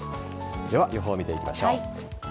では予報を見ていきましょう。